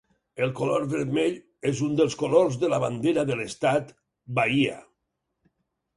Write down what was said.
El color vermell és un dels colors de la bandera de l'estat, Bahia.